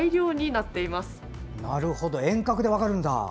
なるほど遠隔で分かるんだ。